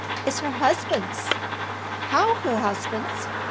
It's her husband's." "How her husband's?"